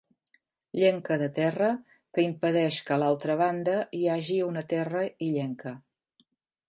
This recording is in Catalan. Llenca de terra que impedeix que a l'altra banda hi hagi una terra illenca.